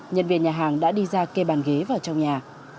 nhân viên nhà hàng đã đi ra kê bàn ghế vào trong nhà